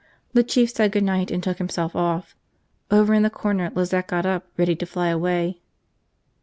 The Chief said good night and took himself off. Over in the corner Lizette got up, ready to fly away.